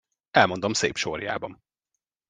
Elmondom szép sorjában.